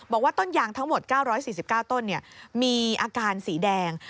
บอกว่าต้นยางทั้งหมด๙๔๙ต้นมีอาการสีแดง